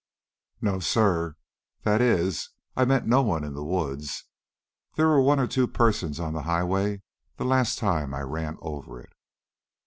"No, sir. That is, I met no one in the woods. There were one or two persons on the highway the last time I ran over it."